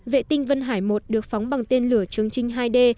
vệ tinh vân hải i được phóng bằng tên lửa chương trình hai d